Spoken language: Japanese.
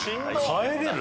帰れる？